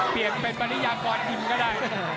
เปลี่ยนเป็นปริยากรยิมก็ได้